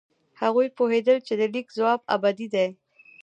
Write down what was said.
هغوی پوهېدل چې د لیک ځواک ابدي دی.